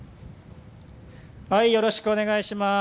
よろしくお願いします。